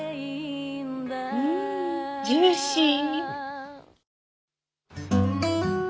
うんジューシー。